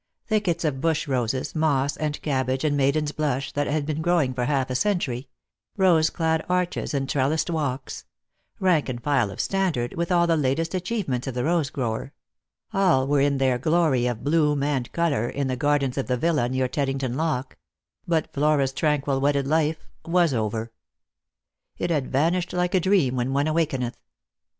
Thickets of bush roses, moss and cabbage and maiden's blush, that had been growing for half a century; rose clad arches and trellised walks ; rank and file of standard, with all the latest achievements of the rose grower — all were in their glory of bloom and colour in the gardens of the villa near Teddington Lock; but Flora's tranquil wedded life was over. It had vanished like a dream when one awakeneth.